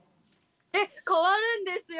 えっ変わるんですよ！